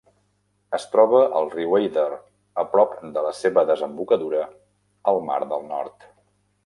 Es troba al riu Eider a prop de la seva desembocadura al mar del Nord.